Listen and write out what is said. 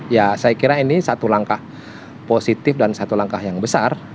ya saya kira ini satu langkah positif dan satu langkah yang besar